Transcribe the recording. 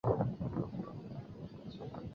转发第一期校友承办的活动